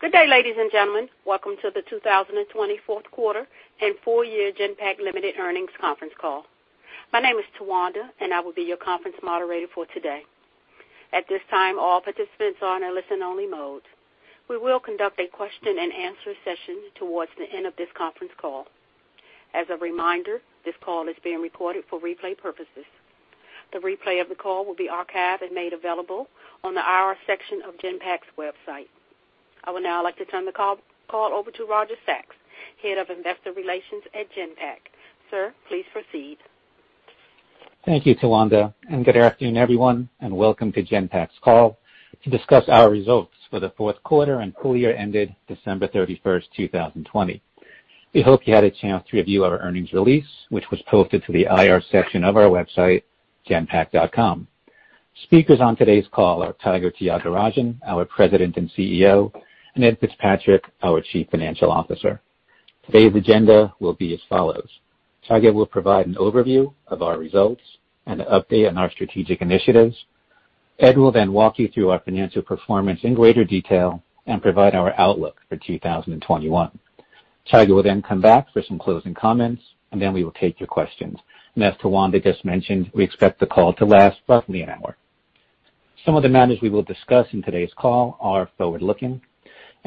Good day, ladies and gentlemen. Welcome to the 2020 fourth quarter and full year Genpact Limited earnings conference call. My name is Tawanda, and I will be your conference moderator for today. At this time, all participants are in a listen-only mode. We will conduct a question and answer session towards the end of this conference call. As a reminder, this call is being recorded for replay purposes. The replay of the call will be archived and made available on the IR section of Genpact's website. I would now like to turn the call over to Roger Sachs, Head of Investor Relations at Genpact. Sir, please proceed. Thank you, Tawanda. Good afternoon, everyone, and welcome to Genpact's call to discuss our results for the fourth quarter and full year ended December 31st, 2020. We hope you had a chance to review our earnings release, which was posted to the IR section of our website, genpact.com. Speakers on today's call are Tiger Tyagarajan, our President and CEO, and Ed Fitzpatrick, our Chief Financial Officer. Today's agenda will be as follows. Tiger will provide an overview of our results and an update on our strategic initiatives. Ed will walk you through our financial performance in greater detail and provide our outlook for 2021. Tiger will come back for some closing comments. We will take your questions. As Tawanda just mentioned, we expect the call to last roughly an hour. Some of the matters we will discuss in today's call are forward-looking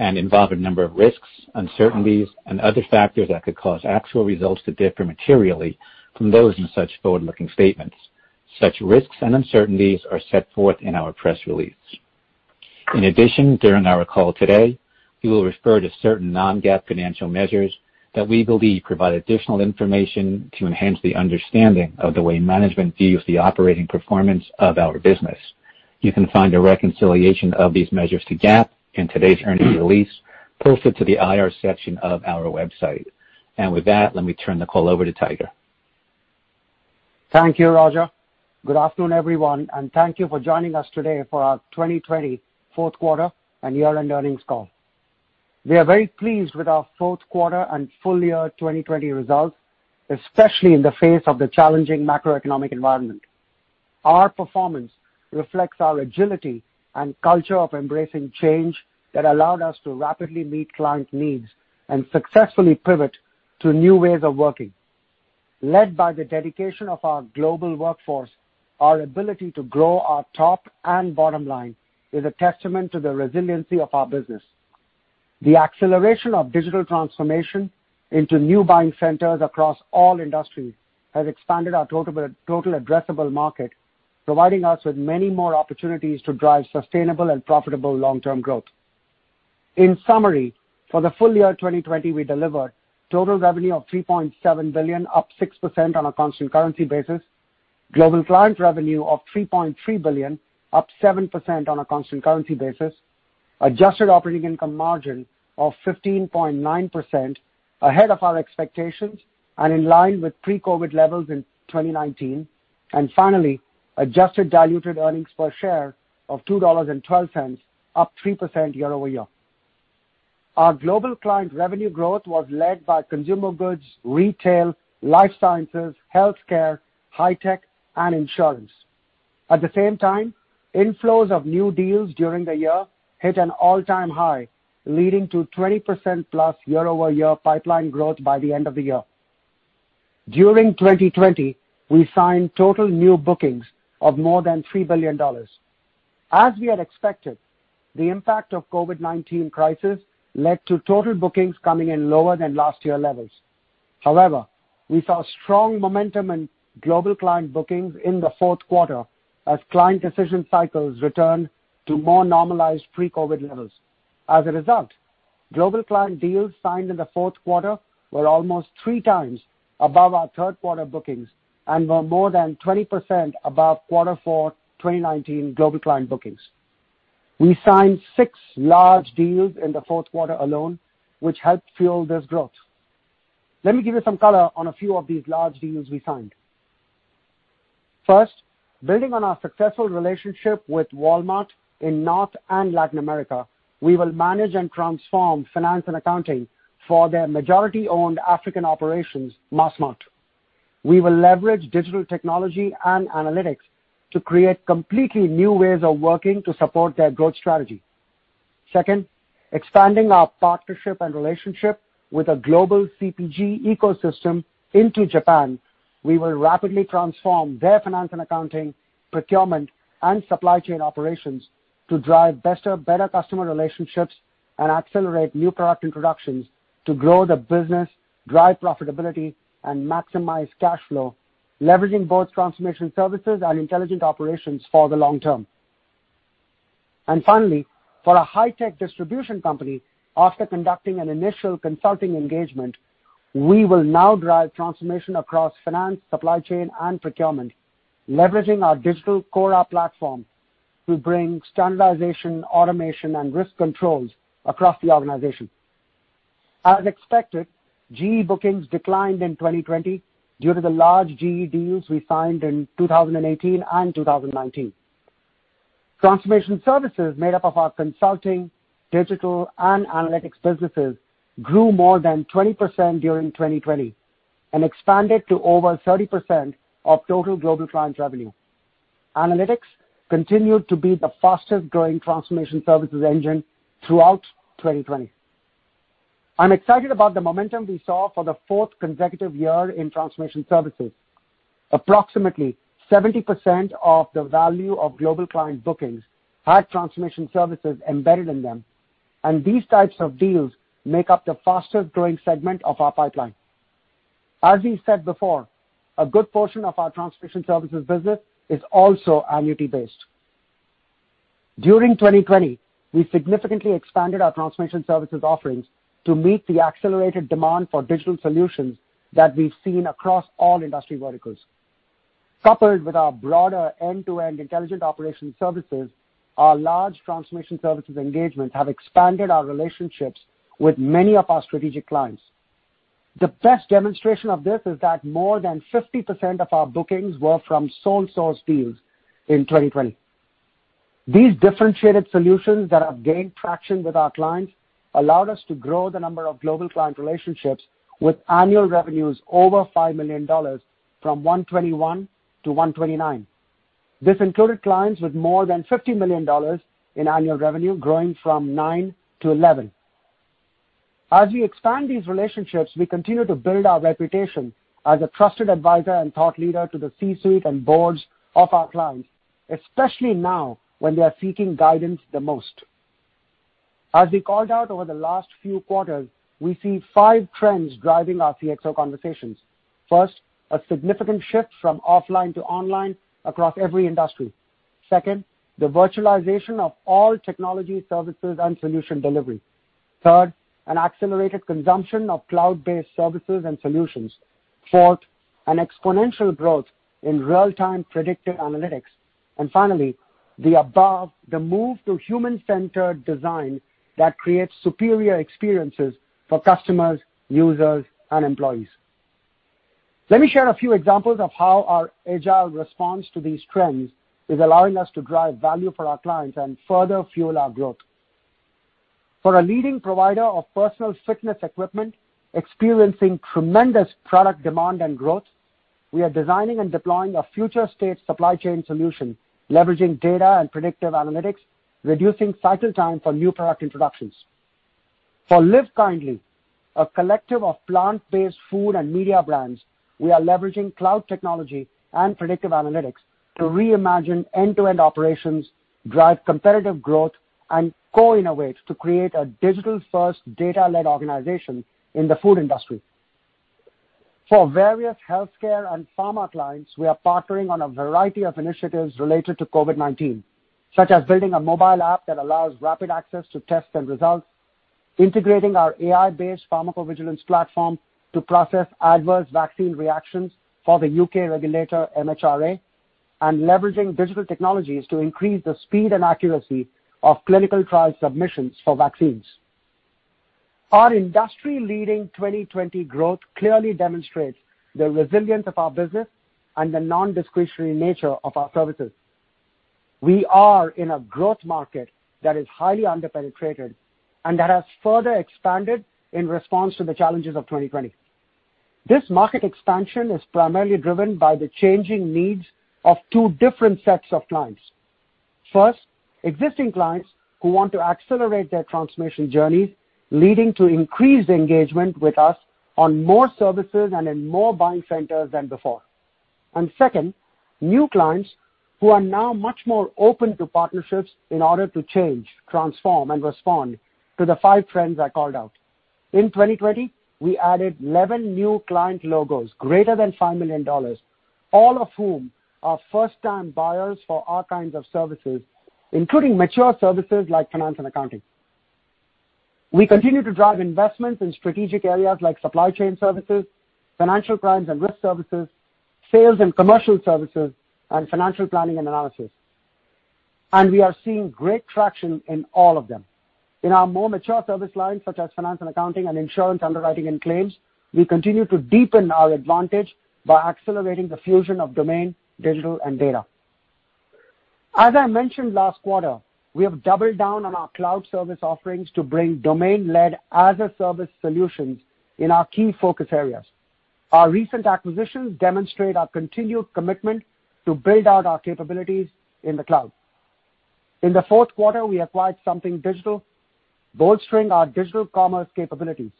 and involve a number of risks, uncertainties, and other factors that could cause actual results to differ materially from those in such forward-looking statements. Such risks and uncertainties are set forth in our press release. In addition, during our call today, we will refer to certain non-GAAP financial measures that we believe provide additional information to enhance the understanding of the way management views the operating performance of our business. You can find a reconciliation of these measures to GAAP in today's earnings release posted to the IR section of our website. With that, let me turn the call over to Tiger. Thank you, Roger. Good afternoon, everyone, and thank you for joining us today for our 2020 fourth quarter and year-end earnings call. We are very pleased with our fourth quarter and full year 2020 results, especially in the face of the challenging macroeconomic environment. Our performance reflects our agility and culture of embracing change that allowed us to rapidly meet client needs and successfully pivot to new ways of working. Led by the dedication of our global workforce, our ability to grow our top and bottom line is a testament to the resiliency of our business. The acceleration of digital transformation into new buying centers across all industries has expanded our total addressable market, providing us with many more opportunities to drive sustainable and profitable long-term growth. In summary, for the full year 2020, we delivered total revenue of $3.7 billion, up 6% on a constant currency basis. Global client revenue of $3.3 billion, up 7% on a constant currency basis. Adjusted operating income margin of 15.9%, ahead of our expectations and in line with pre-COVID-19 levels in 2019. Finally, adjusted diluted earnings per share of $2.12, up 3% year-over-year. Our global client revenue growth was led by consumer goods, retail, life sciences, healthcare, high tech, and insurance. At the same time, inflows of new deals during the year hit an all-time high, leading to 20%+ year-over-year pipeline growth by the end of the year. During 2020, we signed total new bookings of more than $3 billion. As we had expected, the impact of COVID-19 crisis led to total bookings coming in lower than last year levels. We saw strong momentum in global client bookings in the fourth quarter as client decision cycles returned to more normalized pre-COVID-19 levels. As a result, global client deals signed in the fourth quarter were almost 3x above our third quarter bookings and were more than 20% above quarter four 2019 global client bookings. We signed six large deals in the fourth quarter alone, which helped fuel this growth. Let me give you some color on a few of these large deals we signed. First, building on our successful relationship with Walmart in North and Latin America, we will manage and transform finance and accounting for their majority-owned African operations, Massmart. We will leverage digital technology and analytics to create completely new ways of working to support their growth strategy. Second, expanding our partnership and relationship with a global CPG ecosystem into Japan, we will rapidly transform their finance and accounting, procurement, and supply chain operations to drive better customer relationships and accelerate new product introductions to grow the business, drive profitability, and maximize cash flow, leveraging both transformation services and intelligent operations for the long term. Finally, for a high-tech distribution company, after conducting an initial consulting engagement, we will now drive transformation across finance, supply chain, and procurement, leveraging our digital Cora platform to bring standardization, automation, and risk controls across the organization. As expected, GE bookings declined in 2020 due to the large GE deals we signed in 2018 and 2019. Transformation Services, made up of our consulting, digital, and analytics businesses, grew more than 20% during 2020 and expanded to over 30% of total global client revenue. Analytics continued to be the fastest-growing Transformation Services engine throughout 2020. I'm excited about the momentum we saw for the fourth consecutive year in Transformation Services. Approximately 70% of the value of global client bookings had Transformation Services embedded in them, and these types of deals make up the fastest-growing segment of our pipeline. As we said before, a good portion of our Transformation Services business is also annuity-based. During 2020, we significantly expanded our Transformation Services offerings to meet the accelerated demand for digital solutions that we've seen across all industry verticals. Coupled with our broader end-to-end Intelligent Operations Services, our large Transformation Services engagements have expanded our relationships with many of our strategic clients. The best demonstration of this is that more than 50% of our bookings were from sole source deals in 2020. These differentiated solutions that have gained traction with our clients allowed us to grow the number of global client relationships with annual revenues over $5 million from 121 to 129. This included clients with more than $50 million in annual revenue growing from nine to 11. As we expand these relationships, we continue to build our reputation as a trusted advisor and thought leader to the C-suite and boards of our clients, especially now, when they are seeking guidance the most. As we called out over the last few quarters, we see five trends driving our CXO conversations. First, a significant shift from offline to online across every industry. Second, the virtualization of all technology services and solution delivery. Third, an accelerated consumption of cloud-based services and solutions. Fourth, an exponential growth in real-time predictive analytics. Finally, the above, the move to human-centered design that creates superior experiences for customers, users, and employees. Let me share a few examples of how our agile response to these trends is allowing us to drive value for our clients and further fuel our growth. For a leading provider of personal fitness equipment experiencing tremendous product demand and growth, we are designing and deploying a future state supply chain solution leveraging data and predictive analytics, reducing cycle time for new product introductions. For LIVEKINDLY Collective, a collective of plant-based food and media brands, we are leveraging cloud technology and predictive analytics to reimagine end-to-end operations, drive competitive growth, and co-innovate to create a digital-first, data-led organization in the food industry. For various healthcare and pharma clients, we are partnering on a variety of initiatives related to COVID-19, such as building a mobile app that allows rapid access to tests and results, integrating our AI-based pharmacovigilance platform to process adverse vaccine reactions for the U.K. regulator, MHRA, and leveraging digital technologies to increase the speed and accuracy of clinical trial submissions for vaccines. Our industry-leading 2020 growth clearly demonstrates the resilience of our business and the non-discretionary nature of our services. We are in a growth market that is highly under-penetrated and that has further expanded in response to the challenges of 2020. This market expansion is primarily driven by the changing needs of two different sets of clients. First, existing clients who want to accelerate their transformation journeys, leading to increased engagement with us on more services and in more buying centers than before. Second, new clients who are now much more open to partnerships in order to change, transform, and respond to the five trends I called out. In 2020, we added 11 new client logos greater than $5 million, all of whom are first-time buyers for our kinds of services, including mature services like finance and accounting. We continue to drive investments in strategic areas like supply chain services, financial crimes and risk services, sales and commercial services, and financial planning and analysis. We are seeing great traction in all of them. In our more mature service lines, such as finance and accounting and insurance underwriting and claims, we continue to deepen our advantage by accelerating the fusion of domain, digital, and data. As I mentioned last quarter, we have doubled down on our cloud service offerings to bring domain-led as-a-service solutions in our key focus areas. Our recent acquisitions demonstrate our continued commitment to build out our capabilities in the cloud. In the fourth quarter, we acquired Something Digital, bolstering our digital commerce capabilities.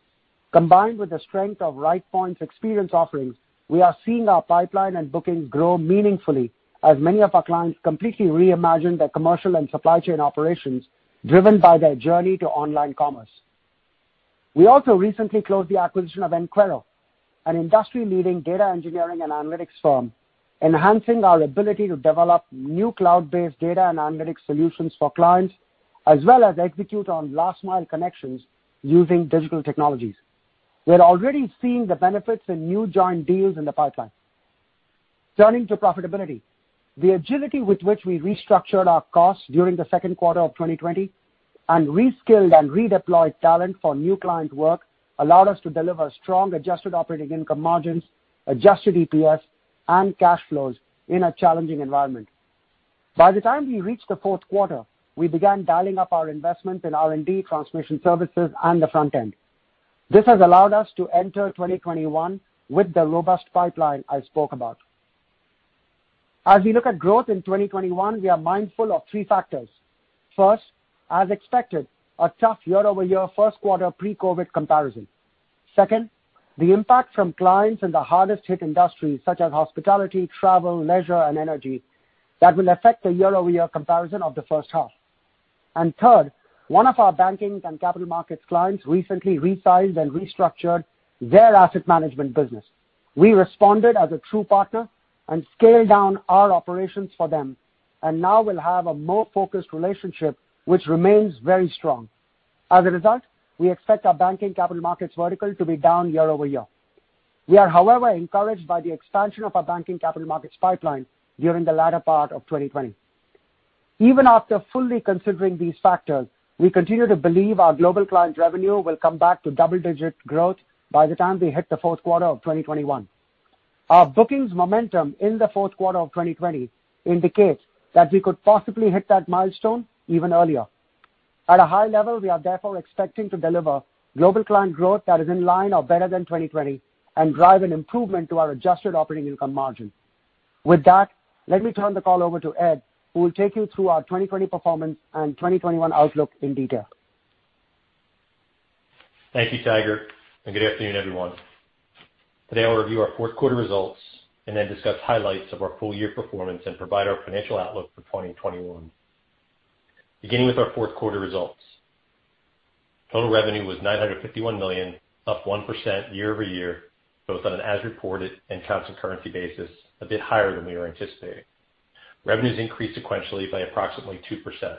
Combined with the strength of Rightpoint's experience offerings, we are seeing our pipeline and bookings grow meaningfully as many of our clients completely reimagine their commercial and supply chain operations, driven by their journey to online commerce. We also recently closed the acquisition of Enquero, an industry-leading data engineering and analytics firm, enhancing our ability to develop new cloud-based data and analytics solutions for clients, as well as execute on last-mile connections using digital technologies. We are already seeing the benefits in new joint deals in the pipeline. Turning to profitability. The agility with which we restructured our costs during the second quarter of 2020 and reskilled and redeployed talent for new client work allowed us to deliver strong adjusted operating income margins, adjusted EPS, and cash flows in a challenging environment. By the time we reached the fourth quarter, we began dialing up our investment in R&D, transformation services, and the front end. This has allowed us to enter 2021 with the robust pipeline I spoke about. As we look at growth in 2021, we are mindful of three factors. First, as expected, a tough year-over-year first quarter pre-COVID-19 comparison. Second, the impact from clients in the hardest-hit industries such as hospitality, travel, leisure, and energy that will affect the year-over-year comparison of the first half. Third, one of our banking and capital markets clients recently resized and restructured their asset management business. We responded as a true partner and scaled down our operations for them, and now we'll have a more focused relationship, which remains very strong. As a result, we expect our banking capital markets vertical to be down year-over-year. We are, however, encouraged by the expansion of our banking capital markets pipeline during the latter part of 2020. Even after fully considering these factors, we continue to believe our global client revenue will come back to double-digit growth by the time we hit the fourth quarter of 2021. Our bookings momentum in the fourth quarter of 2020 indicates that we could possibly hit that milestone even earlier. At a high level, we are therefore expecting to deliver global client growth that is in line or better than 2020 and drive an improvement to our adjusted operating income margin. With that, let me turn the call over to Ed, who will take you through our 2020 performance and 2021 outlook in detail. Thank you, Tiger. Good afternoon, everyone. Today, I'll review our fourth quarter results and then discuss highlights of our full-year performance and provide our financial outlook for 2021. Beginning with our fourth quarter results. Total revenue was $951 million, up 1% year-over-year, both on an as-reported and constant currency basis, a bit higher than we were anticipating. Revenues increased sequentially by approximately 2%.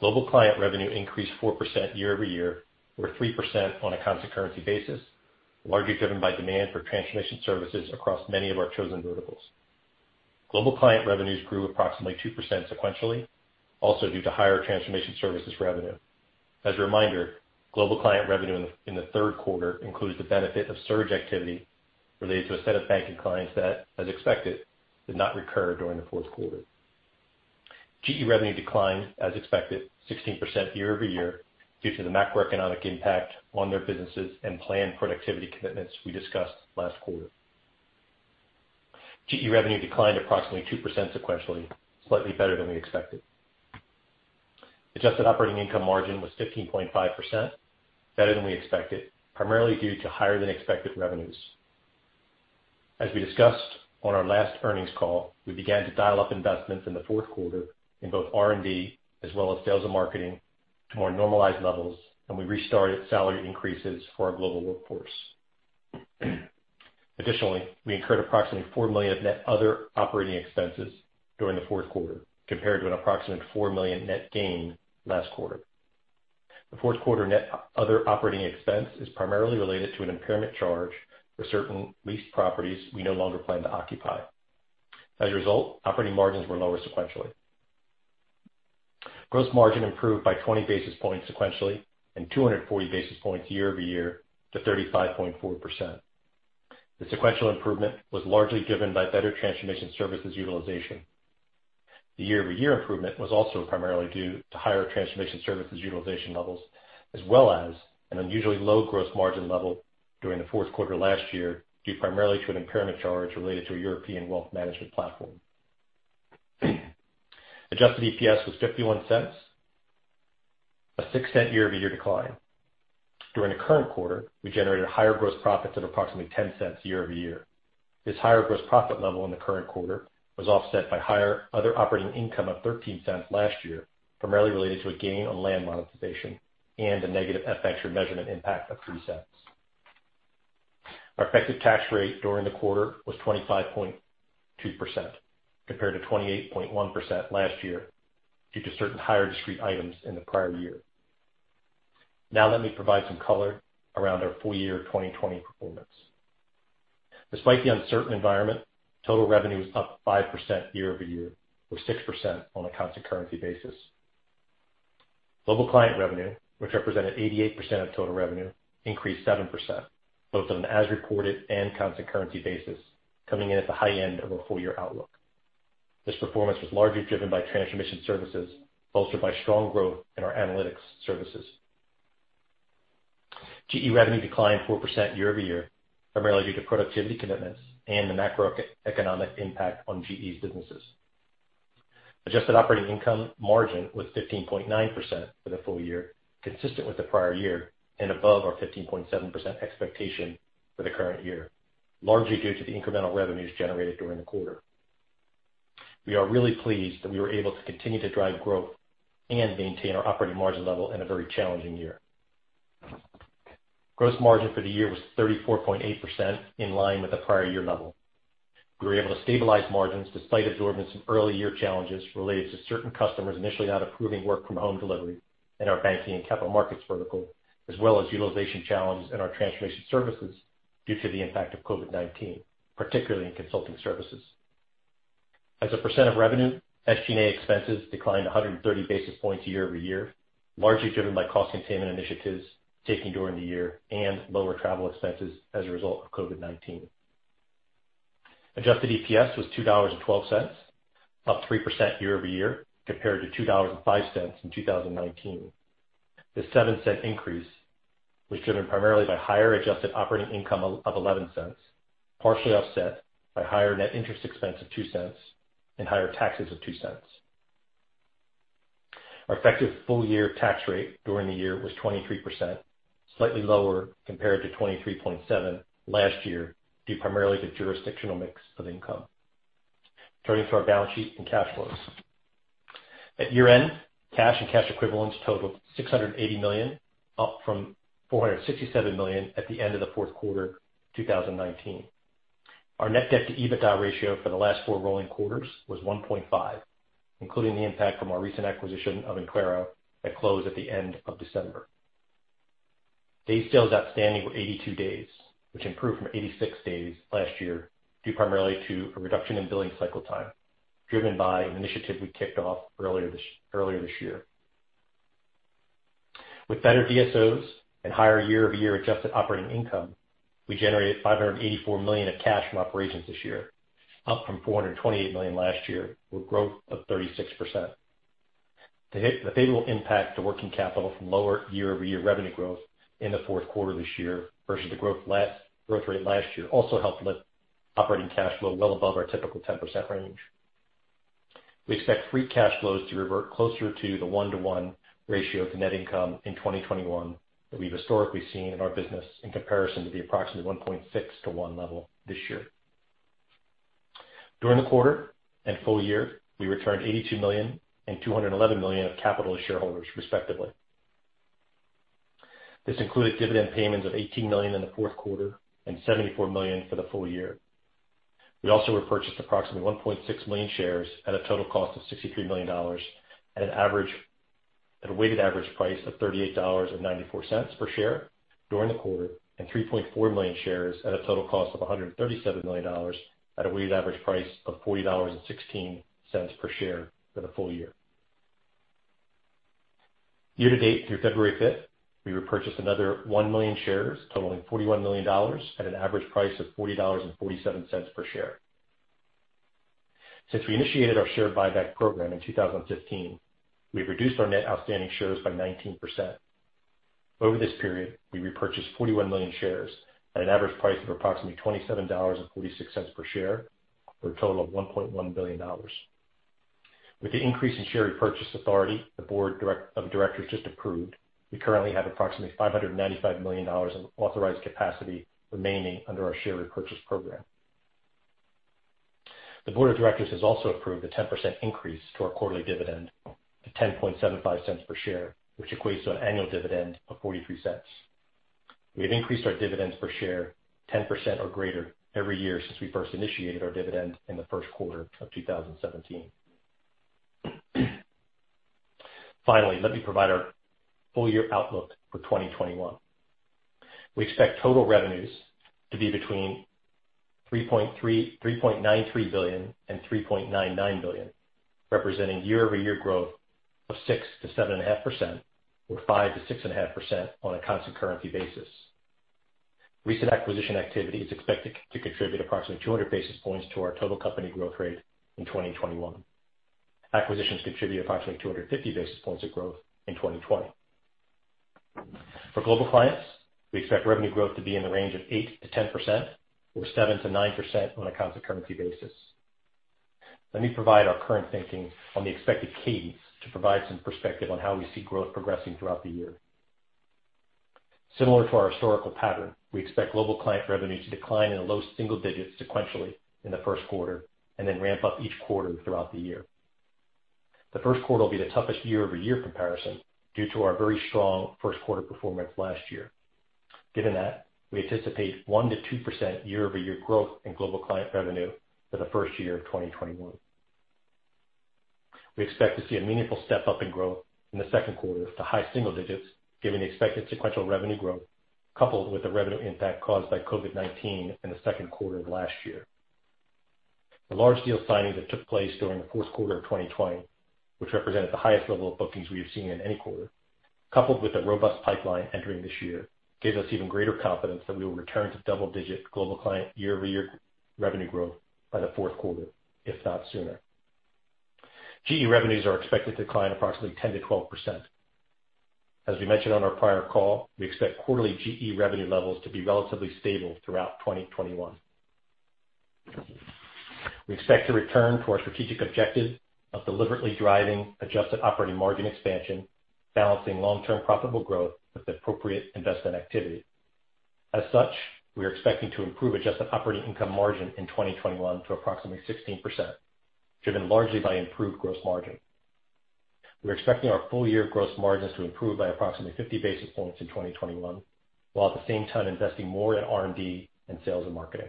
Global client revenue increased 4% year-over-year, or 3% on a constant currency basis, largely driven by demand for transformation services across many of our chosen verticals. Global client revenues grew approximately 2% sequentially, also due to higher transformation services revenue. As a reminder, global client revenue in the third quarter includes the benefit of surge activity related to a set of banking clients that, as expected, did not recur during the fourth quarter. GE revenue declined, as expected, 16% year-over-year due to the macroeconomic impact on their businesses and planned productivity commitments we discussed last quarter. GE revenue declined approximately 2% sequentially, slightly better than we expected. Adjusted operating income margin was 15.5%, better than we expected, primarily due to higher than expected revenues. As we discussed on our last earnings call, we began to dial up investments in the fourth quarter in both R&D as well as sales and marketing to more normalized levels, and we restarted salary increases for our global workforce. Additionally, we incurred approximately $4 million of net other operating expenses during the fourth quarter compared to an approximate $4 million net gain last quarter. The fourth quarter net other operating expense is primarily related to an impairment charge for certain leased properties we no longer plan to occupy. As a result, operating margins were lower sequentially. Gross margin improved by 20 basis points sequentially and 240 basis points year-over-year to 35.4%. The sequential improvement was largely driven by better transformation services utilization. The year-over-year improvement was also primarily due to higher transformation services utilization levels, as well as an unusually low gross margin level during the fourth quarter last year, due primarily to an impairment charge related to a European wealth management platform. Adjusted EPS was $0.51, a $0.06 year-over-year decline. During the current quarter, we generated higher gross profits of approximately $0.10 year-over-year. This higher gross profit level in the current quarter was offset by higher other operating income of $0.13 last year, primarily related to a gain on land monetization and a negative FX remeasurement impact of $0.03. Our effective tax rate during the quarter was 25.2%, compared to 28.1% last year due to certain higher discrete items in the prior year. Let me provide some color around our full-year 2020 performance. Despite the uncertain environment, total revenue was up 5% year-over-year or 6% on a constant currency basis. Global client revenue, which represented 88% of total revenue, increased 7%, both on an as-reported and constant currency basis, coming in at the high end of our full-year outlook. This performance was largely driven by transformation services, bolstered by strong growth in our analytics services. GE revenue declined 4% year-over-year, primarily due to productivity commitments and the macroeconomic impact on GE's businesses. Adjusted operating income margin was 15.9% for the full year, consistent with the prior year and above our 15.7% expectation for the current year, largely due to the incremental revenues generated during the quarter. We are really pleased that we were able to continue to drive growth and maintain our operating margin level in a very challenging year. Gross margin for the year was 34.8%, in line with the prior year level. We were able to stabilize margins despite absorbing some early year challenges related to certain customers initially not approving work-from-home delivery in our banking and capital markets vertical, as well as utilization challenges in our transformation services due to the impact of COVID-19, particularly in consulting services. As a percent of revenue, SG&A expenses declined 130 basis points year-over-year, largely driven by cost containment initiatives taken during the year and lower travel expenses as a result of COVID-19. Adjusted EPS was $2.12, up 3% year-over-year compared to $2.05 in 2019. This $0.07 increase was driven primarily by higher adjusted operating income of $0.11, partially offset by higher net interest expense of $0.02 and higher taxes of $0.02. Our effective full year tax rate during the year was 23%, slightly lower compared to 23.7% last year, due primarily to jurisdictional mix of income. Turning to our balance sheet and cash flows. At year end, cash and cash equivalents totaled $680 million, up from $467 million at the end of the fourth quarter 2019. Our net debt-to-EBITDA ratio for the last four rolling quarters was 1.5x, including the impact from our recent acquisition of Enquero that closed at the end of December. Days sales outstanding were 82 days, which improved from 86 days last year, due primarily to a reduction in billing cycle time, driven by an initiative we kicked off earlier this year. With better DSOs and higher year-over-year adjusted operating income, we generated $584 million of cash from operations this year, up from $428 million last year, with growth of 36%. The favorable impact to working capital from lower year-over-year revenue growth in the fourth quarter of this year versus the growth rate last year also helped lift operating cash flow well above our typical 10% range. We expect free cash flows to revert closer to the 1:1 ratio of net income in 2021, that we've historically seen in our business, in comparison to the approximately 1.6:1 level this year. During the quarter and full year, we returned $82 million and $211 million of capital to shareholders respectively. This included dividend payments of $18 million in the fourth quarter and $74 million for the full year. We also repurchased approximately 1.6 million shares at a total cost of $63 million, at a weighted average price of $38.94 per share during the quarter, and 3.4 million shares at a total cost of $137 million, at a weighted average price of $40.16 per share for the full year. Year to date through February 5th, we repurchased another 1 million shares totaling $41 million at an average price of $40.47 per share. Since we initiated our share buyback program in 2015, we've reduced our net outstanding shares by 19%. Over this period, we repurchased 41 million shares at an average price of approximately $27.46 per share, for a total of $1.1 billion. With the increase in share repurchase authority the board of directors just approved, we currently have approximately $595 million in authorized capacity remaining under our share repurchase program. The board of directors has also approved a 10% increase to our quarterly dividend to $0.1075 per share, which equates to an annual dividend of $0.43. We have increased our dividends per share 10% or greater every year since we first initiated our dividend in the first quarter of 2017. Finally, let me provide our full year outlook for 2021. We expect total revenues to be between $3.93 billion and $3.99 billion, representing year-over-year growth of 6%-7.5%, or 5%-6.5% on a constant currency basis. Recent acquisition activity is expected to contribute approximately 200 basis points to our total company growth rate in 2021. Acquisitions contributed approximately 250 basis points of growth in 2020. For global clients, we expect revenue growth to be in the range of 8%-10%, or 7%-9% on a constant currency basis. Let me provide our current thinking on the expected cadence to provide some perspective on how we see growth progressing throughout the year. Similar to our historical pattern, we expect global client revenue to decline in the low single digits sequentially in the first quarter, and then ramp up each quarter throughout the year. The first quarter will be the toughest year-over-year comparison due to our very strong first quarter performance last year. Given that, we anticipate 1%-2% year-over-year growth in global client revenue for the first quarter of 2021. We expect to see a meaningful step up in growth in the second quarter to high single digits given the expected sequential revenue growth coupled with the revenue impact caused by COVID-19 in the second quarter of last year. The large deal signing that took place during the fourth quarter of 2020, which represented the highest level of bookings we have seen in any quarter, coupled with a robust pipeline entering this year, gives us even greater confidence that we will return to double-digit global client year-over-year revenue growth by the fourth quarter, if not sooner. GE revenues are expected to decline approximately 10%-12%. As we mentioned on our prior call, we expect quarterly GE revenue levels to be relatively stable throughout 2021. We expect to return to our strategic objective of deliberately driving adjusted operating margin expansion, balancing long-term profitable growth with appropriate investment activity. As such, we are expecting to improve adjusted operating income margin in 2021 to approximately 16%, driven largely by improved gross margin. We're expecting our full year gross margins to improve by approximately 50 basis points in 2021, while at the same time investing more in R&D and sales and marketing.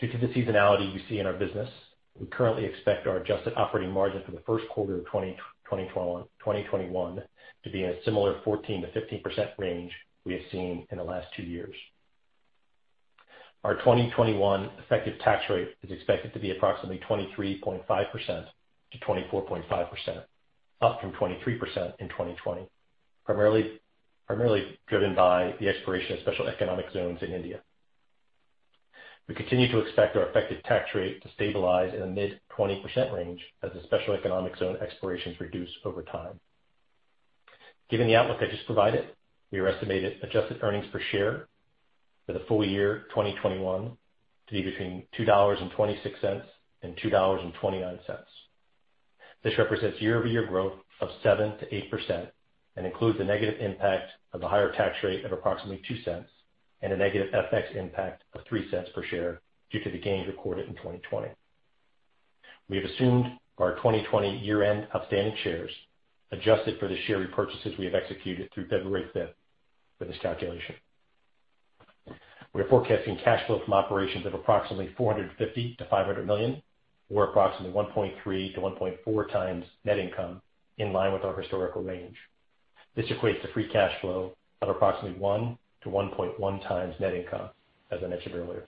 Due to the seasonality we see in our business, we currently expect our adjusted operating margin for the first quarter of 2021 to be in a similar 14%-15% range we have seen in the last two years. Our 2021 effective tax rate is expected to be approximately 23.5%-24.5%, up from 23% in 2020. Primarily driven by the expiration of special economic zones in India. We continue to expect our effective tax rate to stabilize in the mid 20% range as the special economic zone expirations reduce over time. Given the outlook I just provided, we are estimated adjusted earnings per share for the full year 2021 to be between $2.26 and $2.29. This represents year-over-year growth of 7%-8% and includes the negative impact of the higher tax rate of approximately $0.02 and a negative FX impact of $0.03 per share due to the gains recorded in 2020. We have assumed our 2020 year-end outstanding shares, adjusted for the share repurchases we have executed through February 5th for this calculation. We are forecasting cash flow from operations of approximately $450 million-$500 million, or approximately 1.3x-1.4x net income, in line with our historical range. This equates to free cash flow of approximately 1x-1.1x net income, as I mentioned earlier.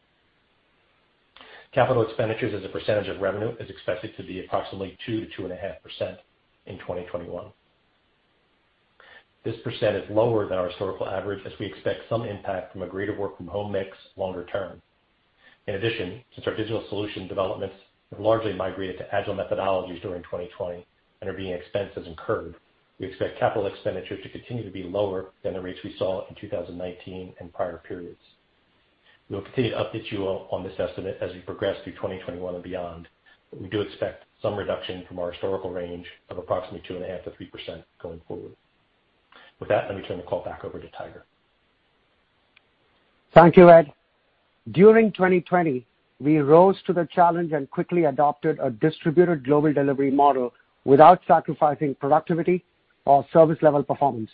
Capital expenditures as a percentage of revenue is expected to be approximately 2%-2.5% in 2021. This percent is lower than our historical average as we expect some impact from a greater work from home mix longer term. In addition, since our digital solution developments have largely migrated to agile methodologies during 2020 and are being expensed as incurred, we expect capital expenditures to continue to be lower than the rates we saw in 2019 and prior periods. We will continue to update you on this estimate as we progress through 2021 and beyond, but we do expect some reduction from our historical range of approximately 2.5%-3% going forward. With that, let me turn the call back over to Tiger. Thank you, Ed. During 2020, we rose to the challenge and quickly adopted a distributed global delivery model without sacrificing productivity or service level performance.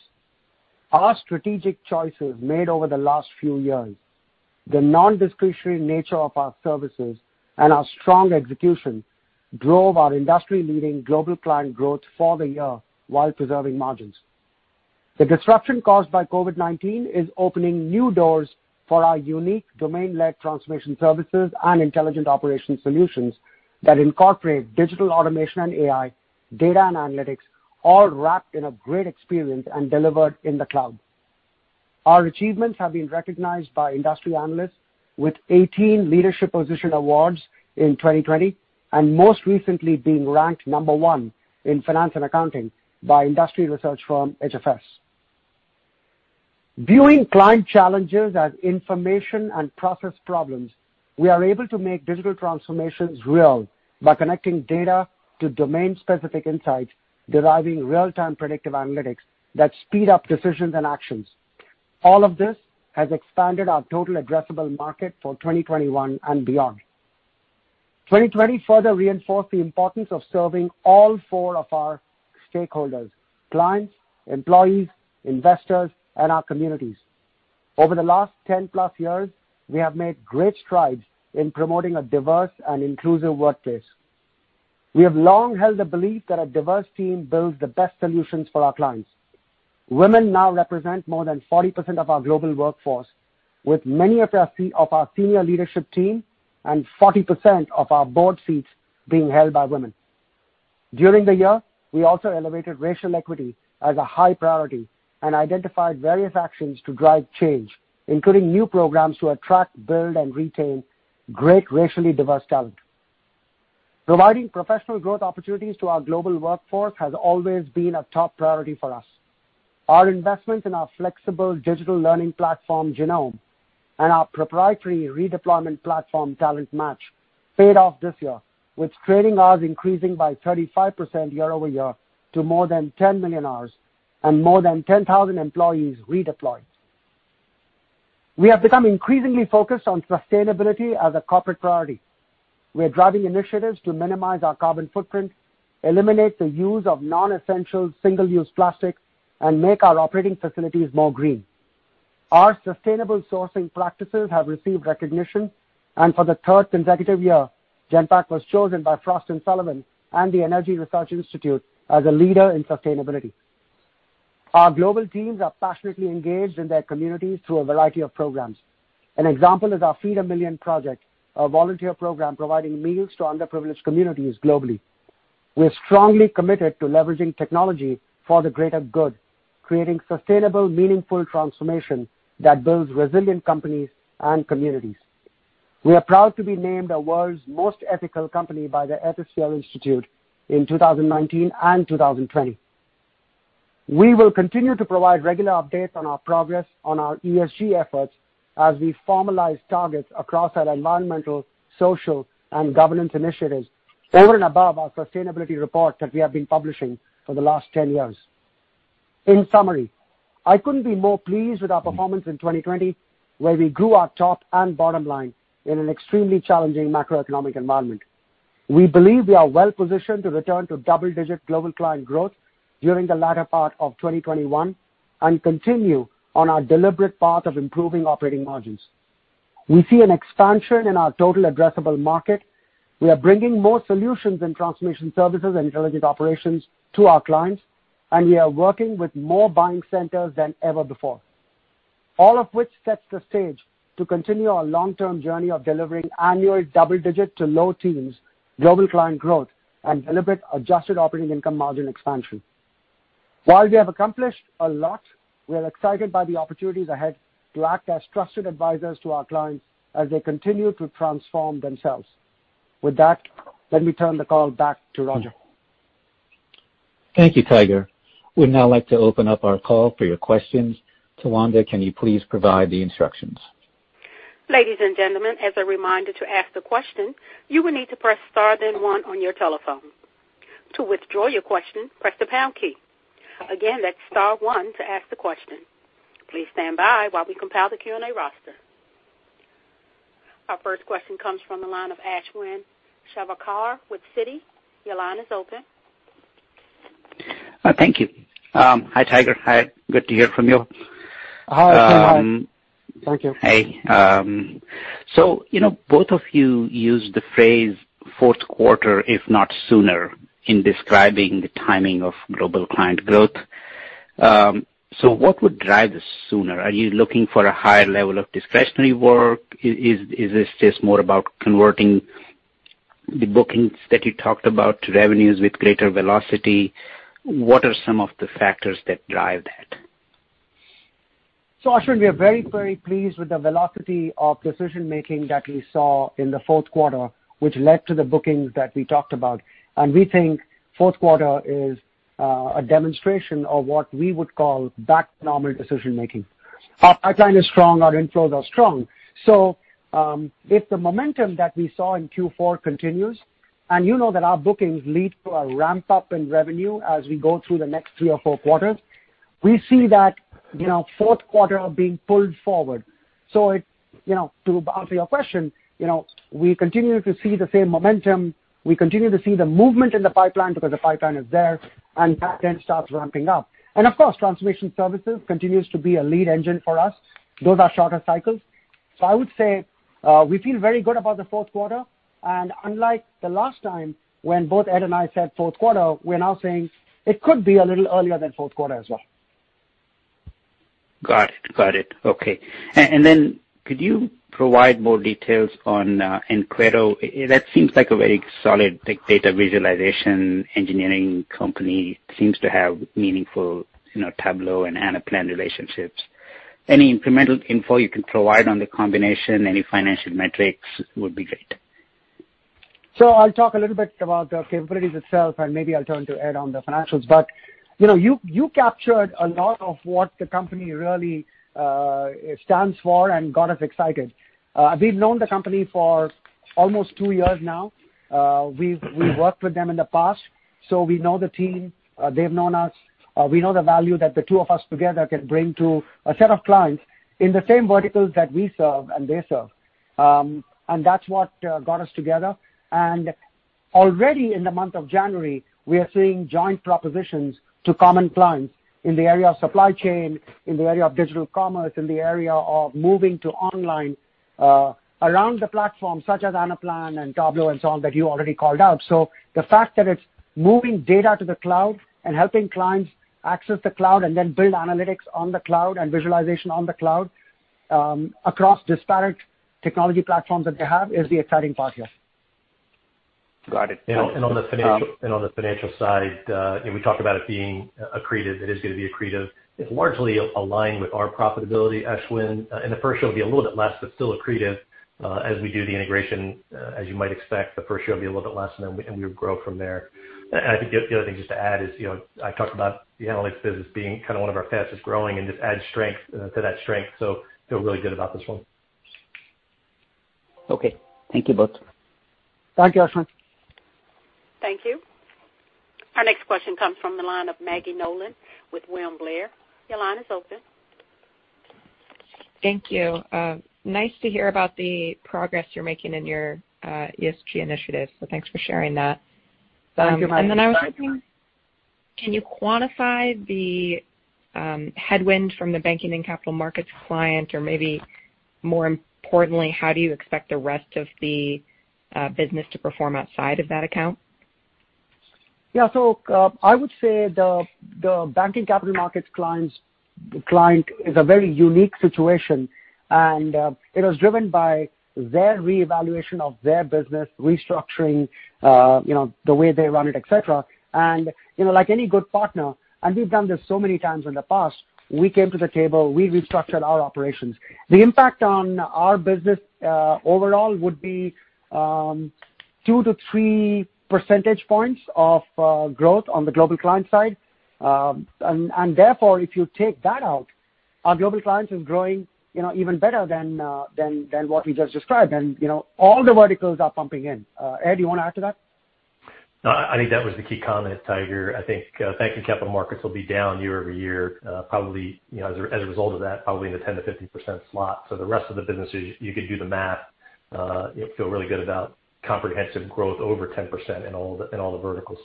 Our strategic choices made over the last few years, the non-discretionary nature of our services, and our strong execution drove our industry leading global client growth for the year while preserving margins. The disruption caused by COVID-19 is opening new doors for our unique domain-led transformation services and intelligent operation solutions that incorporate digital automation and AI, data and analytics, all wrapped in a great experience and delivered in the cloud. Our achievements have been recognized by industry analysts with 18 leadership position awards in 2020, and most recently being ranked number one in Finance and Accounting by industry research firm HFS. Viewing client challenges as information and process problems, we are able to make digital transformations real by connecting data to domain-specific insights, deriving real-time predictive analytics that speed up decisions and actions. All of this has expanded our total addressable market for 2021 and beyond. 2020 further reinforced the importance of serving all four of our stakeholders, clients, employees, investors, and our communities. Over the last 10+ years, we have made great strides in promoting a diverse and inclusive workplace. We have long held the belief that a diverse team builds the best solutions for our clients. Women now represent more than 40% of our global workforce, with many of our senior leadership team and 40% of our board seats being held by women. During the year, we also elevated racial equity as a high priority and identified various actions to drive change, including new programs to attract, build, and retain great racially diverse talent. Providing professional growth opportunities to our global workforce has always been a top priority for us. Our investments in our flexible digital learning platform, Genome, and our proprietary redeployment platform, Talent Match, paid off this year, with training hours increasing by 35% year-over-year to more than 10 million hours and more than 10,000 employees redeployed. We have become increasingly focused on sustainability as a corporate priority. We are driving initiatives to minimize our carbon footprint, eliminate the use of non-essential single-use plastic, and make our operating facilities more green. Our sustainable sourcing practices have received recognition, and for the third consecutive year, Genpact was chosen by Frost & Sullivan and The Energy and Resources Institute as a leader in sustainability. Our global teams are passionately engaged in their communities through a variety of programs. An example is our Feed a Million project, a volunteer program providing meals to underprivileged communities globally. We are strongly committed to leveraging technology for the greater good, creating sustainable, meaningful transformation that builds resilient companies and communities. We are proud to be named the world's most ethical company by the Ethisphere Institute in 2019 and 2020. We will continue to provide regular updates on our progress on our ESG efforts as we formalize targets across our environmental, social, and governance initiatives over and above our sustainability report that we have been publishing for the last 10 years. In summary, I couldn't be more pleased with our performance in 2020, where we grew our top and bottom line in an extremely challenging macroeconomic environment. We believe we are well positioned to return to double-digit global client growth during the latter part of 2021 and continue on our deliberate path of improving operating margins. We see an expansion in our total addressable market. We are bringing more solutions in transformation services and intelligent operations to our clients, and we are working with more buying centers than ever before. All of which sets the stage to continue our long-term journey of delivering annual double digit to low teens global client growth and deliver adjusted operating income margin expansion. While we have accomplished a lot, we are excited by the opportunities ahead to act as trusted advisors to our clients as they continue to transform themselves. With that, let me turn the call back to Roger. Thank you, Tiger. We'd now like to open up our call for your questions. Tawanda, can you please provide the instructions? Our first question comes from the line of Ashwin Shirvaikar with Citi. Your line is open. Thank you. Hi, Tiger. Hi. Good to hear from you. Hi, Ashwin. Thank you. Hey. Both of you used the phrase fourth quarter, if not sooner, in describing the timing of global client growth. What would drive this sooner? Are you looking for a higher level of discretionary work? Is this just more about converting the bookings that you talked about to revenues with greater velocity? What are some of the factors that drive that? Ashwin, we are very, very pleased with the velocity of decision-making that we saw in the fourth quarter, which led to the bookings that we talked about. We think fourth quarter is a demonstration of what we would call back to normal decision-making. Our pipeline is strong, our inflows are strong. If the momentum that we saw in Q4 continues, and you know that our bookings lead to a ramp-up in revenue as we go through the next three or four quarters, we see that fourth quarter being pulled forward. To answer your question, we continue to see the same momentum. We continue to see the movement in the pipeline because the pipeline is there, and that then starts ramping up. Of course, transformation services continues to be a lead engine for us. Those are shorter cycles. I would say, we feel very good about the fourth quarter, and unlike the last time when both Ed and I said fourth quarter, we're now saying it could be a little earlier than fourth quarter as well. Got it. Okay. Could you provide more details on Enquero? That seems like a very solid big data visualization engineering company. Seems to have meaningful Tableau and Anaplan relationships. Any incremental info you can provide on the combination, any financial metrics would be great. I'll talk a little bit about the capabilities itself, and maybe I'll turn to Ed on the financials. You captured a lot of what the company really stands for and got us excited. We've known the company for almost two years now. We've worked with them in the past, so we know the team, they've known us. We know the value that the two of us together can bring to a set of clients in the same verticals that we serve and they serve. That's what got us together. Already in the month of January, we are seeing joint propositions to common clients in the area of supply chain, in the area of digital commerce, in the area of moving to online, around the platform, such as Anaplan and Tableau and so on that you already called out. The fact that it's moving data to the cloud and helping clients access the cloud and then build analytics on the cloud and visualization on the cloud, across disparate technology platforms that they have is the exciting part, yes. Got it. On the financial side, we talked about it being accretive. It is going to be accretive. It's largely aligned with our profitability, Ashwin. In the first year, it'll be a little bit less, but still accretive. As we do the integration, as you might expect, the first year will be a little bit less, and then we would grow from there. I think the other thing just to add is, I talked about the analytics business being one of our fastest-growing and just adds strength to that strength. Feel really good about this one. Okay. Thank you both. Thank you, Ashwin. Thank you. Our next question comes from the line of Maggie Nolan with William Blair. Your line is open. Thank you. Nice to hear about the progress you're making in your ESG initiative, so thanks for sharing that. Thank you. I was wondering, can you quantify the headwind from the banking and capital markets client? Maybe more importantly, how do you expect the rest of the business to perform outside of that account? Yeah. I would say the banking capital markets client is a very unique situation, and it was driven by their reevaluation of their business restructuring, the way they run it, et cetera. Like any good partner, and we've done this so many times in the past, we came to the table, we restructured our operations. The impact on our business, overall, would be 2-3 percentage points of growth on the global client side. Therefore, if you take that out, our global clients is growing even better than what we just described. All the verticals are pumping in. Ed, you want to add to that? I think that was the key comment, Tiger. I think banking capital markets will be down year-over-year, as a result of that, probably in the 10%-15% slot. The rest of the businesses, you could do the math, feel really good about comprehensive growth over 10% in all the verticals.